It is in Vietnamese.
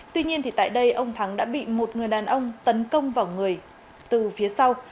tuy nhiên tại đây ông thắng đã bị một người đàn ông tấn công vào người từ phía sau